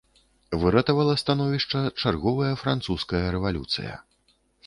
Выратавала становішча чарговая французская рэвалюцыя.